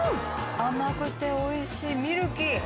甘くておいしいミルキー。